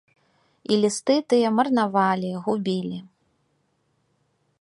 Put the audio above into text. І лісты тыя марнавалі, губілі.